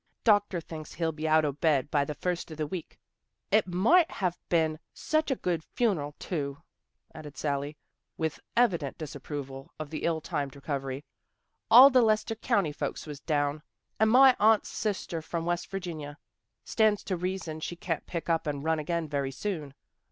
Doctor thinks he'll be out o' bed by the first o' the week. It might have been such a good fun'rel, too," added Sally, with evident dis approval of the ill timed recovery. " All the Lester County folks was down, and my aunt's sister from West Virginia. Stands to reason she can't pick up and run again very soon.